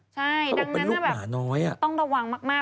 ใช่ดังนั้นต้องระวังมาก